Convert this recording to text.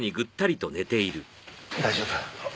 大丈夫。